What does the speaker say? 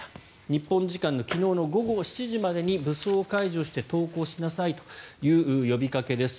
日本時間の昨日午後７時までに武装解除して投降しなさいという呼びかけです。